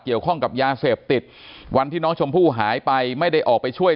เกี่ยวข้องกับยาเสพติดวันที่น้องชมพู่หายไปไม่ได้ออกไปช่วย